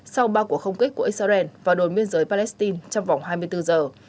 sau ba cuộc không kích của israel vào đồn biên giới palestine trong vòng hai mươi bốn giờ